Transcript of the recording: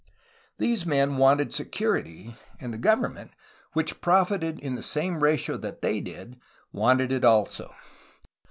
These men wanted security, and the government, which profited in the same ratio that they did, wanted it also.